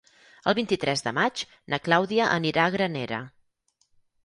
El vint-i-tres de maig na Clàudia anirà a Granera.